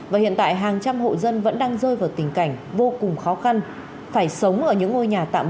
và hiện tại hàng trăm hộ dân vẫn đang rơi vào tình cảnh vô cùng khó khăn phải sống ở những ngôi nhà tạm